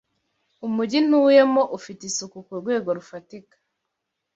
Umugi ntuyemo ufite isuku kurwego rufatika